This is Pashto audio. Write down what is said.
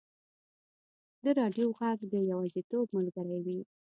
د راډیو ږغ د یوازیتوب ملګری وي.